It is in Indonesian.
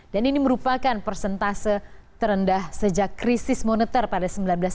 dan ini merupakan persentase terendah sejak krisis moneter pada seribu sembilan ratus sembilan puluh delapan